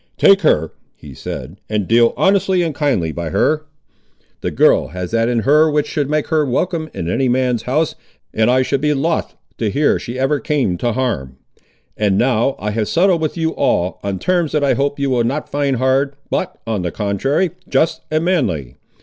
"Take her," he said, "and deal honestly and kindly by her. The girl has that in her which should make her welcome, in any man's house, and I should be loth to hear she ever came to harm. And now I have settled with you all, on terms that I hope you will not find hard, but, on the contrary, just and manly.